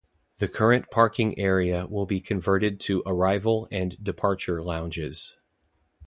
The current parking area will be converted to arrival and departure lounges.